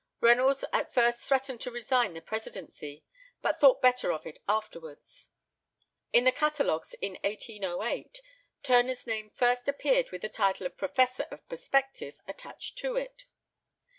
Reynolds at first threatened to resign the presidency; but thought better of it afterwards. In the catalogues in 1808 Turner's name first appeared with the title of Professor of Perspective attached to it.